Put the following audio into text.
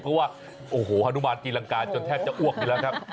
เพราะว่าโอ้โหฮานุมานตีรังกาจนแทบจะอ้วกอยู่แล้วครับ